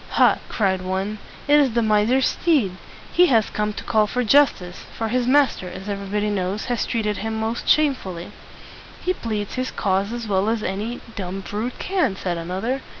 "Ha!" cried one, "it is the miser's steed. He has come to call for justice; for his master, as everybody knows, has treated him most shame ful ly." "He pleads his cause as well as any dumb brute can," said another.